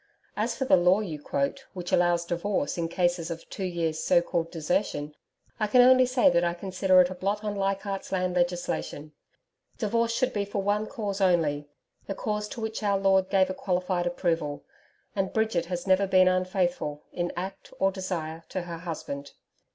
As for the law you quote which allows divorce in cases of two years' so called desertion, I can only say that I consider it a blot on Leichardt's Land legislation. Divorce should be for one cause only the cause to which Our Lord gave a qualified approval; and Bridget has never been unfaithful in act or desire, to her husband.